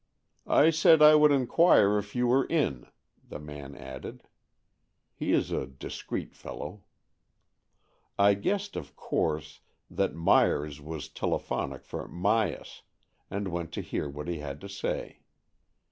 " I said I would inquire if you were in," the man added. He is a discreet fellow. I guessed, of course, that Myers was tele phonic for Myas, and went to hear what he had to say.